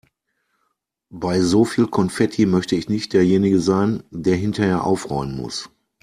Bei so viel Konfetti möchte ich nicht derjenige sein, der hinterher aufräumen muss.